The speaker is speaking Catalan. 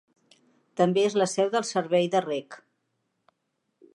També és la seu del Servei de rec.